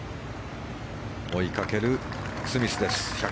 追いかけるスミスです。